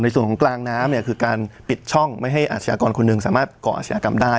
ส่วนของกลางน้ำเนี่ยคือการปิดช่องไม่ให้อาชญากรคนหนึ่งสามารถก่ออาชญากรรมได้